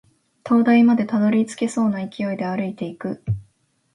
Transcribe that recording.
灯台までたどり着けそうな勢いで歩いていく